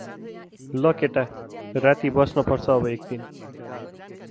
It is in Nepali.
ल केटा, राति बस्नुपर्छ अब एकदिन ।